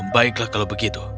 baiklah kalau begitu